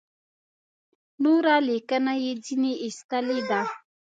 نوره لیکنه یې ځنې ایستلې ده.